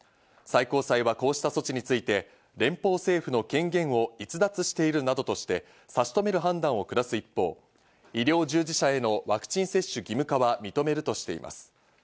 最高裁はこうした措置について連邦政府の権限を逸脱しているなどとして、差し止める判断を下す一方、医療従事者へのワクチン接種義務化は認めるとしています。